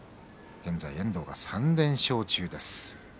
現在、遠藤、３連勝中です。